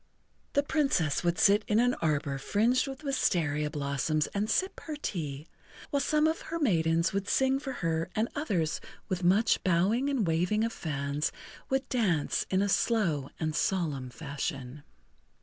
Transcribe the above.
The Princess would sit in an arbor fringed with wistaria blossoms and sip her tea, while some of her maidens would sing for her and others with much bowing and[Pg 32] waving of fans would dance in a slow and solemn fashion.